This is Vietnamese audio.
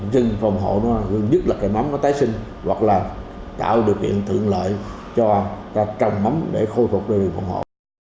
cho cái rừng phòng hộ nó gần nhất là cây mắm nó tái sinh hoặc là tạo điều kiện thượng lợi cho các trồng mắm để khôi phục đều phòng hộ